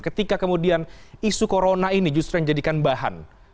ketika kemudian isu corona ini justru yang dijadikan bahan